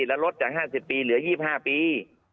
และลดจาก๕๐ปีเหลือ๒๕ปี